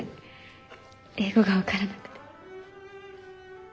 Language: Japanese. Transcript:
英語が分からなくて。